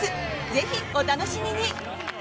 ぜひお楽しみに！